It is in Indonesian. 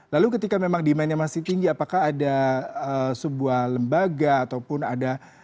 lalu ketika memang demandnya masih tinggi apakah ada sebuah lembaga ataupun ada